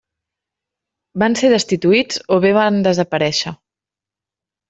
Van ser destituïts o bé van desaparèixer.